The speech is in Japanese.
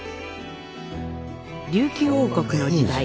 琉球王国の時代